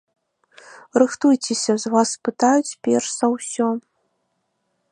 Рыхтуйцеся, з вас спытаюць перш за ўсё.